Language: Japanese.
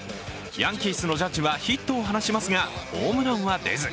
ヤンキースのジャッジはヒットを放ちますが、ホームランは出ず。